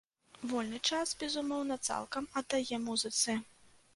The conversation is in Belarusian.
Вольны час, безумоўна, цалкам аддае музыцы.